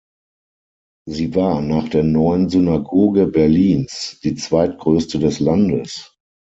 Sie war nach der Neuen Synagoge Berlins die zweitgrößte des Landes.